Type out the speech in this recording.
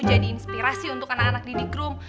jadi inspirasi untuk anak anak didik rum